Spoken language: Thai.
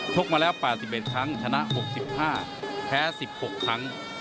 กมาแล้ว๘๑ครั้งชนะ๖๕แพ้๑๖ครั้ง